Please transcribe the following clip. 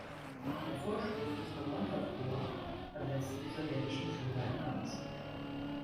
Der Vorstoß des Mamontow-Korps versetzte die sowjetischen Führer in Angst.